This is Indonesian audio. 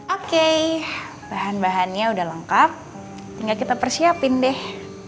oke bahan bahannya udah lengkap tinggal kita persiapin deh